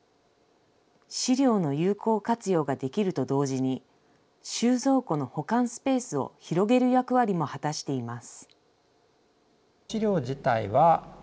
資料の有効活用ができると同時に、収蔵庫の保管スペースを広げる役割も果たしています。